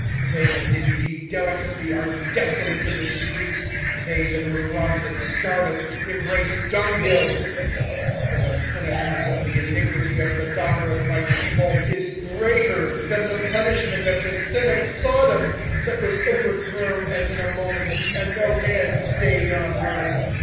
25:004:005 They that did feed delicately are desolate in the streets: they that were brought up in scarlet embrace dunghills. 25:004:006 For the punishment of the iniquity of the daughter of my people is greater than the punishment of the sin of Sodom, that was overthrown as in a moment, and no hands stayed on her.